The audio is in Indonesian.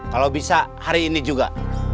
kalau bisa hari ini juga